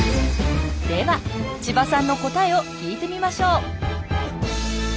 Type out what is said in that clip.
では千葉さんの答えを聞いてみましょう。